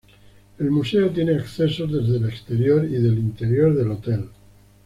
El museo tiene accesos desde el exterior y del interior del hotel.